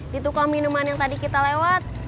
di tukang minuman yang tadi kita lewat